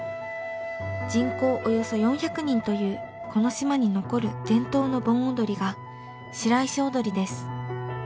人口およそ４００人というこの島に残る伝統の盆踊りが白石踊です。